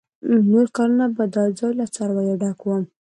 نور کلونه به دا ځای له څارویو ډک و.